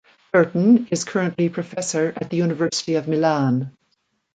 Bertin is currently Professor at the University of Milan.